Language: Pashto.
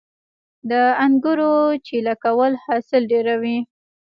د انګورو چیله کول حاصل ډیروي